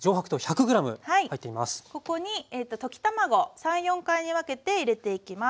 ここに溶き卵３４回に分けて入れていきます。